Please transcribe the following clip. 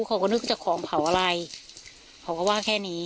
เขาก็นึกจะของเผาอะไรเขาก็ว่าแค่นี้